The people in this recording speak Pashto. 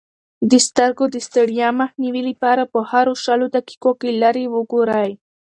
د سترګو د ستړیا مخنیوي لپاره په هرو شلو دقیقو کې لیرې وګورئ.